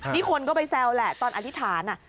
นี่คนก็ไปแซวแหละตอนอธิษฐาน